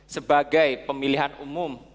sebagai pemilihan umum